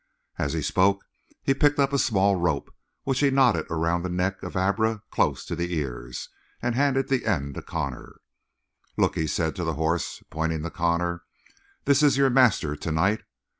As he spoke he picked up a small rope, which he knotted around the neck of Abra close to the ears, and handed the end to Connor. "Look!" he said to the horse, pointing to Connor. "This is your master to night.